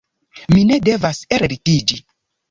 Mi ne devas ellitiĝi.«